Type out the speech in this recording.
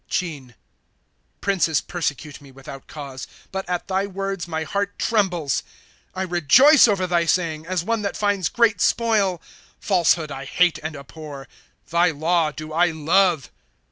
Schin. 1 Princes persecute me without cause ; But at thy words my heart trembles. ^ I rejoice over thy saying, As one that finds great spoil. ^ Falsehood I hate and abhor ; Thy law do I love.